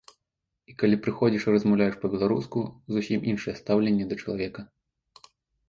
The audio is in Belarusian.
І калі прыходзіш і размаўляеш па-беларуску, зусім іншае стаўленне да чалавека.